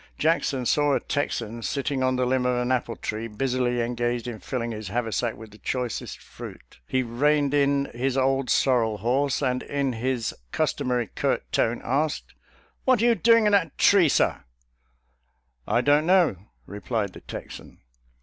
Jackson saw a Texan sitting on the limb of an apple tree, busily engaged in filling his haversack with the choicest fruit. He reined in his old sorrel horse, and in his customary curt tone, asked, " What are you doing in that tree, sir.? "" I don't know," replied the Texan.